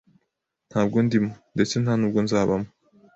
Ntabwo ndimo, ndetse nta nubwo nzabamo